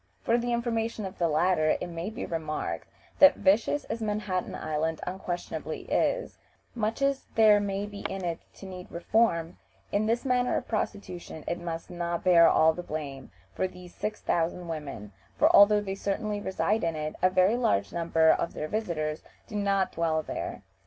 For the information of the latter it may be remarked, that vicious as Manhattan Island unquestionably is, much as there may be in it to need reform, in this matter of prostitution it must not bear all the blame of these six thousand women, for although they certainly reside in it, a very large number of their visitors do not dwell there.